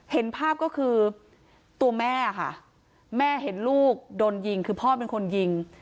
เห็นภาพก็คือตัวแม่ค่ะแม่เห็นลูกโดนยิงคือพ่อเป็นคนยิง